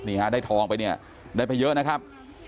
ได้ทองไปเนี่ยได้ไปเยอะนะครับ